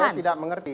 saya tidak mengerti ya